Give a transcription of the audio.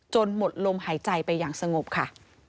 หมดลมหายใจไปอย่างสงบค่ะ